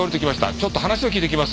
ちょっと話を聞いてきます。